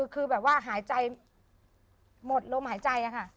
คือแบบว่าหายใจหมดลมหายใจค่ะ